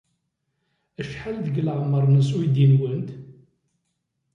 Acḥal deg leɛmeṛ-nnes uydi-nwent?